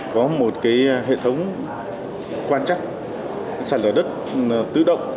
có một cái hệ thống quan trắc sản lửa đất tự động